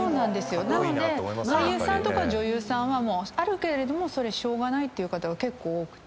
なので俳優さんとか女優さんはあるけれどもそれしょうがないっていう方が結構多くて。